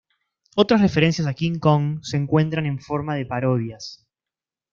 Otras referencias a King Kong se encuentran en forma de parodias.